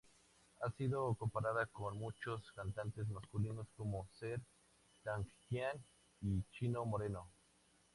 Ha sido comparada con muchos cantantes masculinos como Serj Tankian y Chino Moreno.